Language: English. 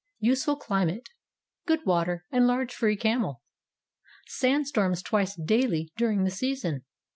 Useful climate. Good water and large free camel. Sandstorms twice daily during the season.